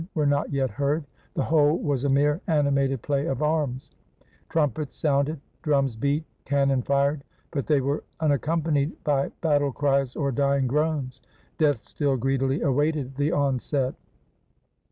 were not yet heard. The whole was a mere animated play of arms. Trumpets sounded, drums beat, cannon fired; but they were unac companied by battle cries or dying groans — death still greedily awaited the onset.